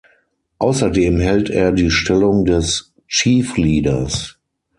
Außerdem hält er die Stellung des "Chief Leaders".